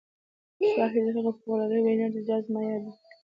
ستاسې د هغې فوق العاده وينا جزئيات زما ياد دي.